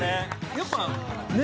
やっぱね。